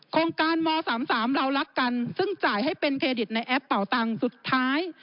โครงการม๓๓เรารักกันซึ่งจ่ายให้เป็นเครดิตในแอปเป่าตังค์สุดท้าย